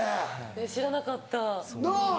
知らなかった。なぁ。